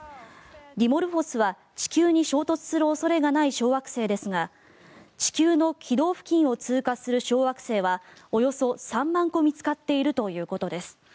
ディモルフォスは地球に衝突する恐れがない小惑星ですが地球の軌道付近を通過する小惑星はおよそ３万個見つかっているということです。